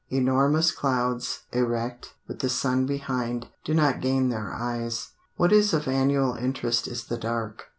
Enormous clouds, erect, with the sun behind, do not gain their eyes. What is of annual interest is the dark.